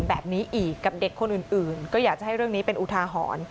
แบบนี้อีกกับเด็กคนอื่นก็อยากจะให้เรื่องนี้เป็นอุทาหรณ์